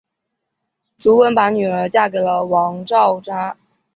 朱温把女儿嫁给了王昭祚。